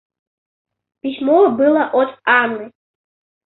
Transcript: Письмо было от Анны.